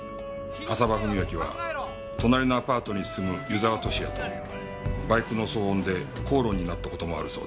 浅羽史明は隣のアパートに住む湯沢敏也とバイクの騒音で口論になった事もあるそうだ。